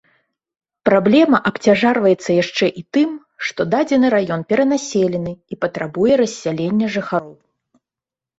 Праблема абцяжарваецца яшчэ і тым, што дадзены раён перанаселены і патрабуе рассялення жыхароў.